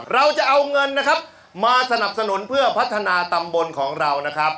เราจะเอาเงินนะครับมาสนับสนุนเพื่อพัฒนาตำบลของเรานะครับ